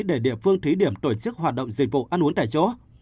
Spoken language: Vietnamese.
để địa phương thí điểm tổ chức hoạt động dịch vụ ăn uống tại chỗ